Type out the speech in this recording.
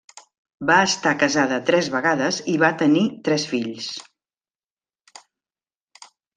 Va estar casada tres vegades i va tenir tres fills.